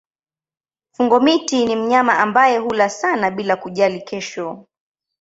Fungo-miti ni mnyama ambaye hula sana bila kujali kesho.